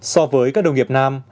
so với các đồng nghiệp nam